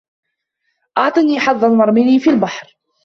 اعطني حظاً وارمني في البحر